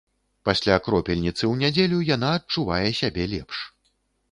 Пасля кропельніцы у нядзелю яна адчувае сябе лепш.